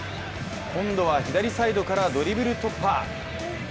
今度は左サイドからドリブル突破。